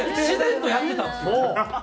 自然とやってたんですよ。